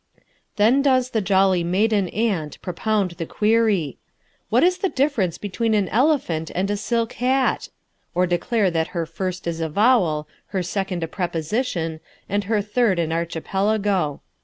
Then does the Jolly Maiden Aunt propound the query: What is the difference between an elephant and a silk hat? Or declare that her first is a vowel, her second a preposition, and her third an archipelago.